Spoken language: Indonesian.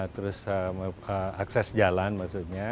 terus akses jalan maksudnya